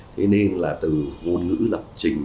thế nên là từ ngôn ngữ lập trình